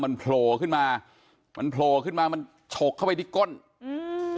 มันโผล่ขึ้นมามันโผล่ขึ้นมามันฉกเข้าไปที่ก้นอืม